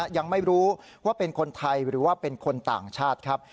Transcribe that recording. ยังไม่รู้ว่าเป็นคนไทยหรือว่าเป็นคนต่างชาติครับ